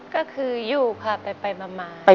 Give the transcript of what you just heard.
ก็คืออยู่ค่ะไปมา